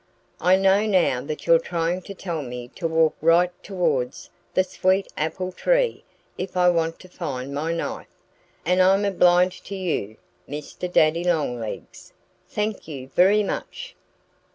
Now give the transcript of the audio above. I know now that you're trying to tell me to walk right towards the sweet apple tree if I want to find my knife. And I'm obliged to you, Mr. Daddy Longlegs! Thank you very much!"